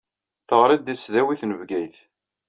Teɣṛiḍ di tesdawit n Bgayet.